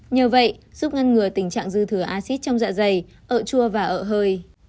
nhờ vậy giúp ngăn ngừa tình trạng dư thừa acid trong dạ dày ợ chua và ợ hơi